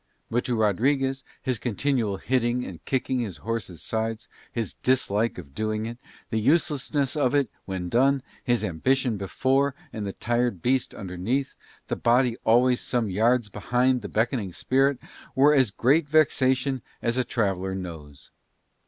But to Rodriguez, his continual hitting and kicking his horse's sides, his dislike of doing it, the uselessness of it when done, his ambition before and the tired beast underneath, the body always some yards behind the beckoning spirit, were as great vexation as a traveller knows.